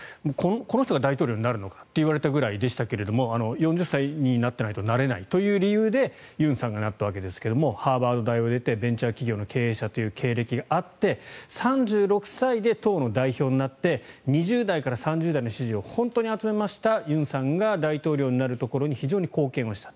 この人が大統領になるのかといわれたぐらいでしたけど４０歳になっていないとなれないという理由で尹さんがなったわけですがハーバード大学を出てベンチャー企業の経営者という経歴があって３６歳で党の代表になって２０代から３０代の支持を本当に集めました尹さんが大統領になるところに非常に貢献した。